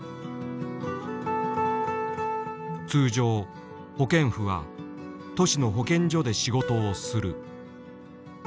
通常保健婦は都市の保健所で仕事をする。